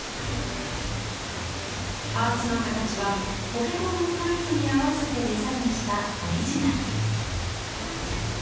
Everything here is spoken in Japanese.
パーツの形はポケモンのタイプに合わせてデザインしたオリジナル。